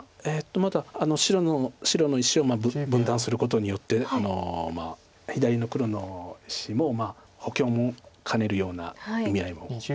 まだ白の石を分断することによって左の黒の石も補強も兼ねるような意味合いも。